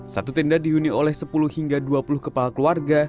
satu tenda dihuni oleh sepuluh hingga dua puluh kepala keluarga